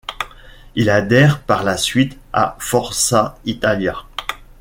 Il adhère par la suite à Forza Italia.